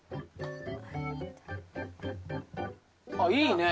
あっいいね。